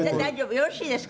よろしいですか？